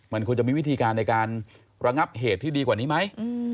มันควรจะมีวิธีการในการระงับเหตุที่ดีกว่านี้ไหม